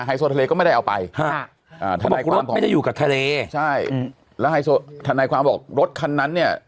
ไฮโซทะเลก็ไม่ได้เอาไปเขาบอกรถไม่ได้อยู่กับทะเลใช่และทนายความบอกรถคันนั้นเนี่ย